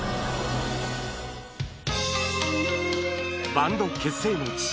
バンド結成の地